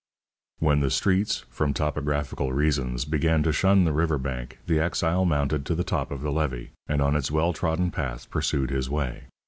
When the streets, from topographical reasons, began to shun the river bank the exile mounted to the top of the levee, and on its well trodden path pursued his way.